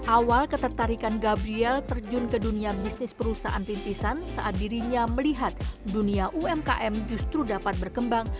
awal ketertarikan gabriel terjun ke dunia bisnis perusahaan rintisan saat dirinya melihat dunia umkm justru dapat berkembang